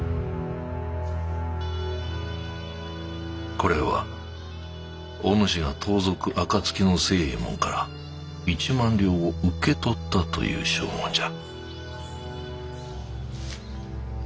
これはお主が盗賊暁の星右衛門から１万両を受け取ったという証文じゃ。